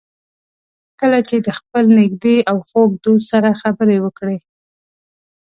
کله چې د خپل نږدې او خوږ دوست سره خبرې وکړئ.